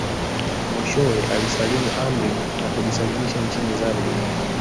Mwishowe alisalimu amri na akajisalimisha nchini Zambia